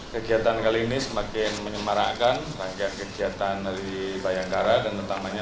kegiatan kali ini semakin menyemarakkan rangkaian kegiatan dari bayangkara dan utamanya